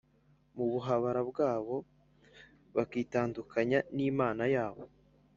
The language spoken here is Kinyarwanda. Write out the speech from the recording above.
mu buhabara bwabo bakitandukanya n’Imana yabo.